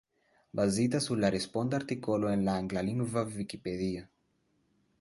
Bazita sur la responda artikolo en la anglalingva Vikipedio.